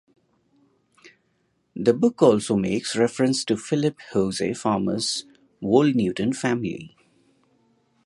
The book also makes reference to Philip Jose Farmer’s Wold Newton family.